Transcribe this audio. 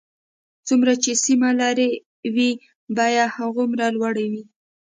څومره چې سیمه لرې وي بیې هغومره لوړې وي